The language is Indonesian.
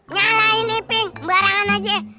nyalain iping berarangan aja